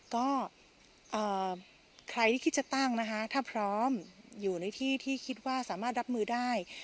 ก็ใครที่คิดจะตั้งนะคะถ้าพร้อมอยู่ในที่ที่คิดว่าสามารถรับมือได้